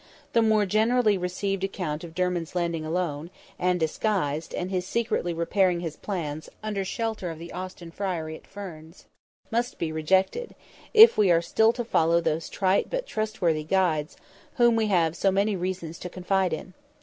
The more generally received account of Dermid's landing alone, and disguised, and secretly preparing his plans, under shelter of the Austin Friary at Ferns, must be rejected, if we are still to follow those trite but trustworthy guides, whom we have so many reasons to confide in.